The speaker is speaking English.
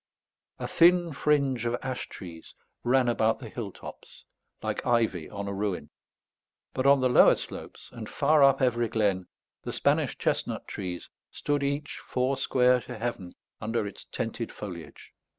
A thin fringe of ash trees ran about the hill tops, like ivy on a ruin; but, on the lower slopes, and far up every glen, the Spanish chestnut trees stood each four square to heaven under its tented foliage.